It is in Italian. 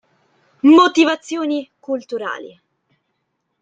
Motivazioni culturali.